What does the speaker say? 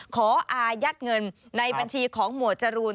อายัดเงินในบัญชีของหมวดจรูน